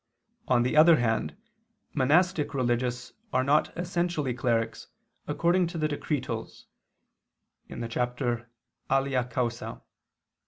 On the other hand, monastic religious are not essentially clerics, according to the Decretals (XVI, qu. i, cap. Alia causa).